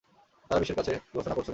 সারা বিশ্বের কাছে ঘোষণা করছ কেন?